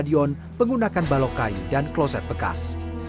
di sekitar stadion penggunakan balok kain dan kloset bekas